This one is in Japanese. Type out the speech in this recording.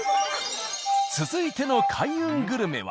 続いての開運グルメは。